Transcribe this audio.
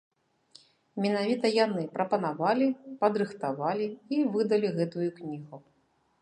Менавіта яны прапанавалі, падрыхтавалі і выдалі гэтую кнігу.